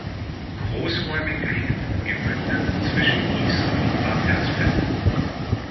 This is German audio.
Großräumig liegt Gemünden zwischen Gießen und Bad Hersfeld.